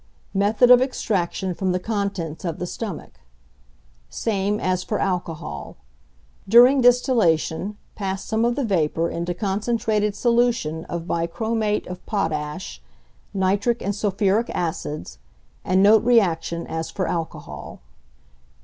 Method of Extraction from the Contents of the Stomach. Same as for alcohol. During distillation pass some of the vapour into concentrated solution of bichromate of potash, nitric and sulphuric acids, and note reaction as for alcohol.